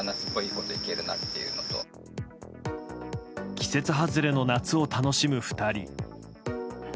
季節外れの夏を楽しむ２人。